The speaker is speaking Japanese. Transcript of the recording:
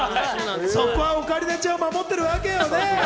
そこはオカリナちゃんを守ってるわけよね。